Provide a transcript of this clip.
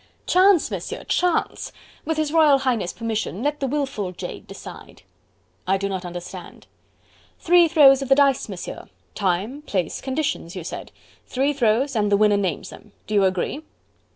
"Chance, Monsieur, Chance.... With His Royal Highness' permission let the wilful jade decide." "I do not understand." "Three throws of the dice, Monsieur.... Time... Place... Conditions, you said three throws and the winner names them.... Do you agree?"